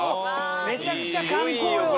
めちゃくちゃ観光よ。